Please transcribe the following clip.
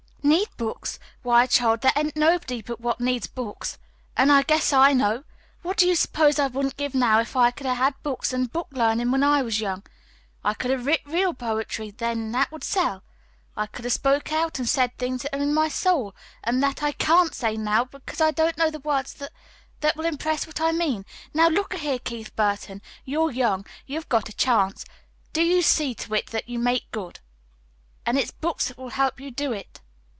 "Need books? Why, child, there ain't nobody but what needs books. An' I guess I know! What do you suppose I wouldn't give now if I could 'a' had books an' book learnin' when I was young? I could 'a' writ real poetry then that would sell. I could 'a' spoke out an' said things that are in my soul, an' that I CAN'T say now, 'cause I don't know the words that that will impress what I mean. Now, look a here, Keith Burton, you're young. You've got a chance. Do you see to it that you make good. An' it's books that will help you do it."